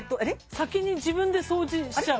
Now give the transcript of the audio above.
先に自分で掃除しちゃう。